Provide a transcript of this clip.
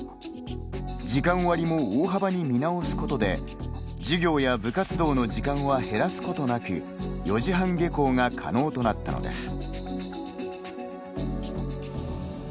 時間割りも大幅に見直すことで授業や部活動の時間は減らすことなく４時半下校が可能となったのです。